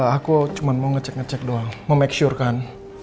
aku cuma mau ngecek ngecek doang memaksurkan